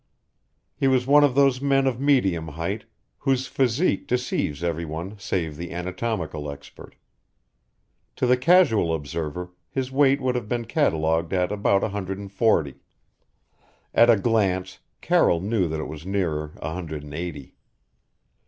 He was one of those men of medium height, whose physique deceives every one save the anatomical expert. To the casual observer his weight would have been catalogued at about a hundred and forty. At a glance Carroll knew that it was nearer a hundred and eighty.